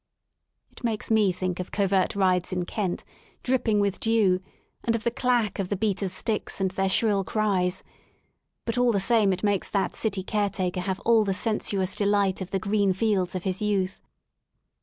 It makes me think of covert rides in Kent, dripping with dew, and of the clack of the beaters' sticks and their shrill cries; but all the same it makes that City caretaker have all the sensuous delight of the green fields of his youth.